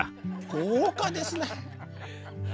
豪華ですね！